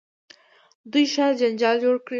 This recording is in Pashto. دوی شاید جنجال جوړ کړي.